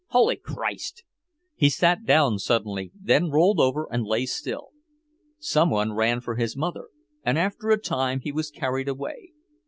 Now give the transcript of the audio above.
Holy Christ!" He sat down suddenly, then rolled over and lay still. Some one ran for his mother, and after a time he was carried away.